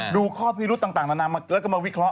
ดูข้อพิวรุตต่างแล้วเกิดก็มาวิเคราะห์